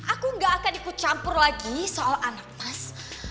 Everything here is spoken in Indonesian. aku gak akan ikut campur lagi soal anak mas